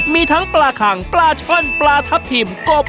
มีทั้งปลาคังปลาช่อนปลาทับทิมกบ